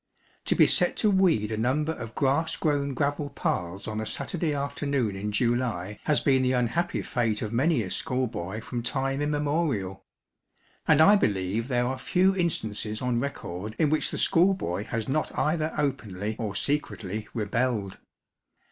To be set to weed a number of grass grown gravel paths on a Satur day afternoon in July has been the unhappy fate of many a school boy from time immemorial ; and I believe there are few instances on record in which the schoolboy has not either openly or secretly rebelled.